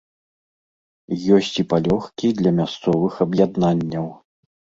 Ёсць і палёгкі для мясцовых аб'яднанняў.